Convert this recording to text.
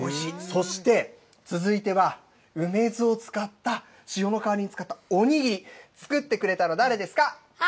そして、続いては、梅酢を使った、塩の代わりに使ったお握り、作ってくれたの誰ですか？